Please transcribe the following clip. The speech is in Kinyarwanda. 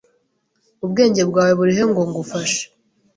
Ubwenge bwawe burihe ngo ngufashe?